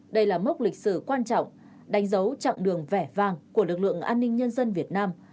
đây là mốc lịch sử quan trọng đánh dấu chặng đường vẻ vang của lực lượng an ninh nhân dân việt nam